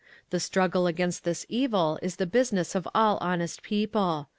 The struggle against this evil is the business of all honest people.